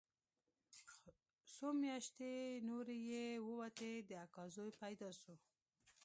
څو مياشتې نورې چې ووتې د اکا زوى پيدا سو.